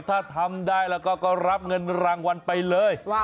ถ้าทำได้แล้วก็รับเงินรางวัลไปเลย